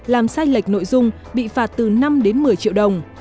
làm sai lệch nội dung bị phạt từ năm đến một mươi triệu đồng